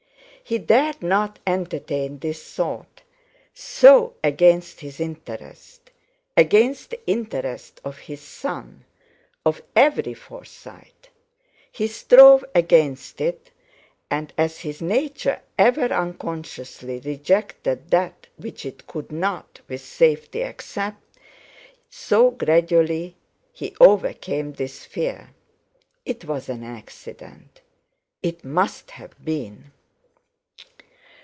He dared not entertain this thought, so against his interest, against the interest of his son, of every Forsyte. He strove against it; and as his nature ever unconsciously rejected that which it could not with safety accept, so gradually he overcame this fear. It was an accident! It must have been!